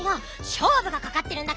しょうぶがかかってるんだから。